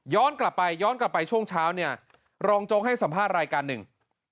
กลับไปย้อนกลับไปช่วงเช้าเนี่ยรองโจ๊กให้สัมภาษณ์รายการหนึ่ง